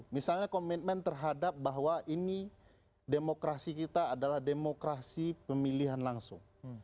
misalnya komitmen terhadap bahwa ini demokrasi kita adalah demokrasi pemilihan langsung